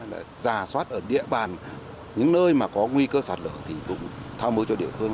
là giả soát ở địa bàn những nơi mà có nguy cơ sạt lở thì cũng tham mưu cho địa phương